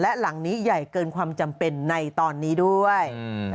และหลังนี้ใหญ่เกินความจำเป็นในตอนนี้ด้วย